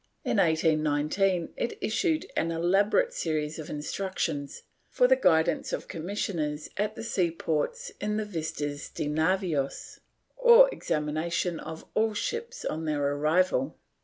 In 1819 it issued an elaborate series of instructions for the guidance of commissioners at the sea ports in the visitas de navios, or exami nation of all ships on their arrival.